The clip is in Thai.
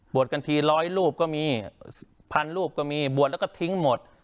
กันทีร้อยรูปก็มีพันรูปก็มีบวชแล้วก็ทิ้งหมด